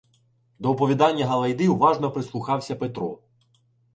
До оповідання Галайди уважно прислухався Петро.